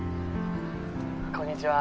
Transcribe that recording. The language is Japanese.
こんにちは。